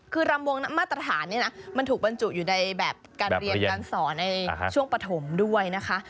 คือรำวงมาตรฐานเนี่ยนะมันถูกบรรจุอยู่ในแบบการเรียนการสอนในช่วงปฐมด้วยนะคะ